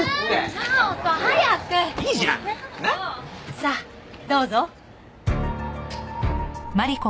さあどうぞ。